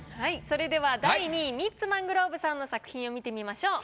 それでは第２位ミッツ・マングローブさんの作品を見てみましょう。